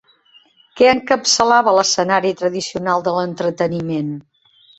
Què encapçalava l'escenari tradicional de l'entreteniment?